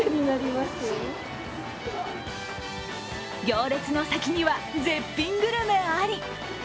行列の先には絶品グルメあり！